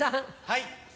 はい。